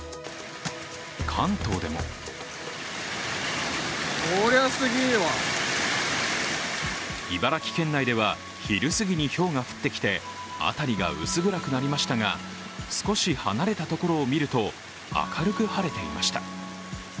関東でも茨城県内では昼すぎにひょうが降ってきて辺りが薄暗くなりましたが、少し離れたところを見ると、明るく晴れていました。